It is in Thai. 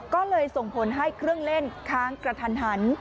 ก็เลยส่งผลให้เครื่องเล่นค้างกระทันหัน